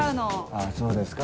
あぁそうですか。